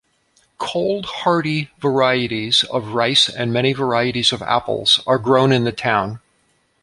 Cold-hardy varieties of rice and many varieties of apples are grown in the town.